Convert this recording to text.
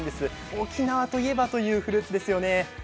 沖縄といえばというフルーツですよね。